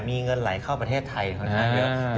มีเงินไหลเข้าประเทศไทยค่อนข้างเยอะ